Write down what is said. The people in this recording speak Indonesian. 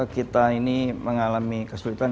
kita ini mengalami kesulitan